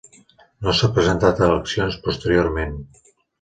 No s'ha presentat a eleccions posteriorment.